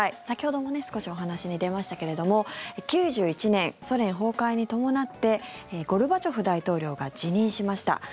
先ほども少しお話に出ましたけれども９１年、ソ連崩壊に伴ってゴルバチョフ大統領が辞任しました。